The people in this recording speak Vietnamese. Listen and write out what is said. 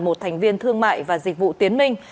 một thành viên thương mại và dịch vụ tiến minh